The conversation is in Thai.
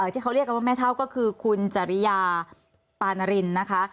ที่เขาเรียกกันว่าแม่เท่าก็คือคุณจริยาปานารินนะคะ